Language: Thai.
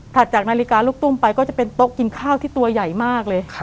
จากนาฬิกาลูกตุ้มไปก็จะเป็นโต๊ะกินข้าวที่ตัวใหญ่มากเลย